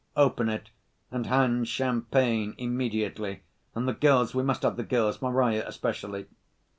Open it, and hand champagne immediately. And the girls, we must have the girls, Marya especially."